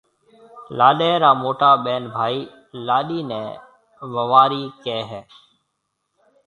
لاڏيَ را موٽا ٻين ڀائي لاڏيِ نَي ووارِي ڪهيَ هيَ۔